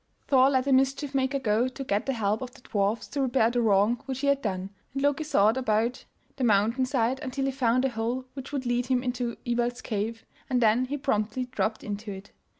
Thor let the mischief maker go to get the help of the dwarfs to repair the wrong which he had done, and Loki sought about the mountain side until he found a hole which would lead him into Iwald's cave, and then he promptly dropped into it.